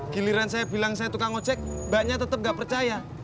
giliran saya bilang saya tukang ojek mbaknya tetap gak percaya